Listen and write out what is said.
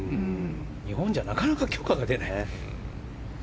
日本じゃなかなか許可が出ない。